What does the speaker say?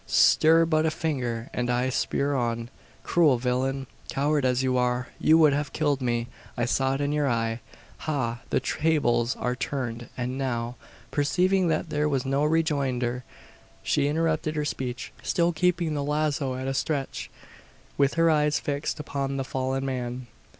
Stir but a finger, and I spur on! Cruel villain! coward as you are, you would have killed me I saw it in your eye. Ha! the tables are turned, and now " Perceiving that there was no rejoinder, she interrupted her speech, still keeping the lazo at a stretch, with her eyes fixed upon the fallen man.